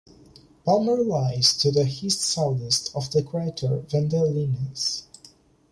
Balmer lies to the east-southeast of the crater Vendelinus.